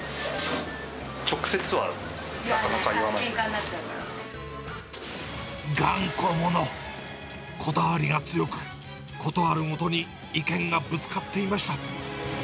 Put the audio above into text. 言わない、けんかになっちゃ頑固者、こだわりが強く、事あるごとに意見がぶつかっていました。